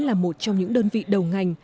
là một trong những đơn vị đầu ngành